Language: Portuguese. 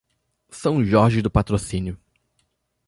São Jorge do Patrocínio